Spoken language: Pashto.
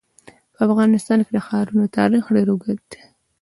په افغانستان کې د ښارونو تاریخ ډېر اوږد دی.